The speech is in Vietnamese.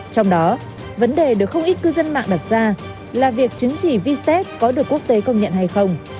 trong đó vấn đề được không ít cư dân mạng đặt ra là việc chứng chỉ visa có được quốc tế công nhận hay không